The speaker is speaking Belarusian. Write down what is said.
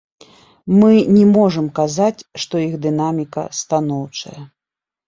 Мы не можам казаць, што іх дынаміка станоўчая.